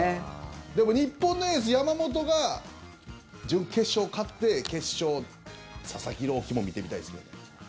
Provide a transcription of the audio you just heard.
でも日本のエース、山本が準決勝、勝って決勝、佐々木朗希も見てみたいですけどね。